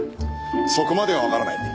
そこまではわからない。